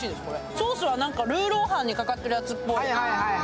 ソースはルーロー飯にかかってるやつっぽい。